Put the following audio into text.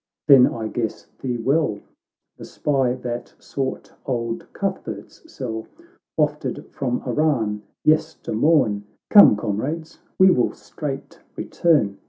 — then I guess thee well, The spy that sought old Cuthbert's cell, Wafted from Arran yester morn — Come, comrades, we will straight return.